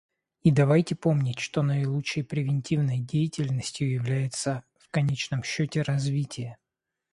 И давайте помнить, что наилучшей превентивной деятельностью является в конечном счете развитие.